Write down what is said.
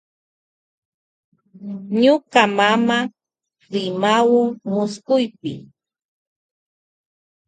Ñuka mama rimawun muskupi.